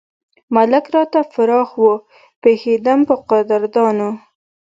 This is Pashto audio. ملک راته فراخ وو پېښېدم پۀ قدردانو